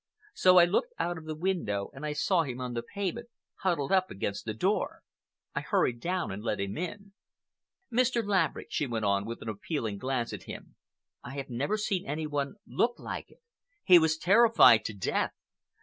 So I looked out of the window and I saw him on the pavement, huddled up against the door. I hurried down and let him in. Mr. Laverick," she went on, with an appealing glance at him, "I have never seen any one look like it. He was terrified to death.